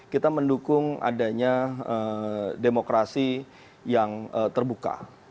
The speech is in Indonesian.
kita mendukung adanya demokrasi yang terbuka